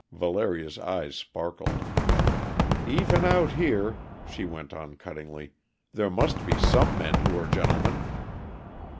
Valeria's eyes sparkled. "Even out here," she went on cuttingly, "there must be some men who are gentlemen!"